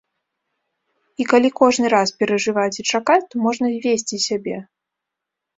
І калі кожны раз перажываць і чакаць, то можна звесці сябе.